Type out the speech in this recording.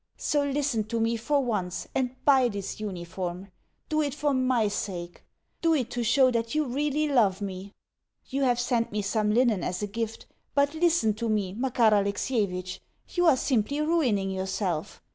So listen to me for once, and buy this uniform. Do it for MY sake. Do it to show that you really love me. You have sent me some linen as a gift. But listen to me, Makar Alexievitch. You are simply ruining yourself.